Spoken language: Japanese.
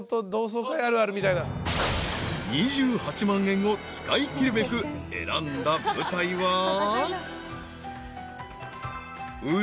［２８万円を使い切るべく選んだ舞台は］